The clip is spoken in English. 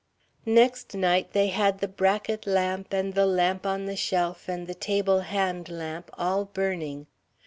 ... Next night they had the bracket lamp and the lamp on the shelf and the table hand lamp all burning.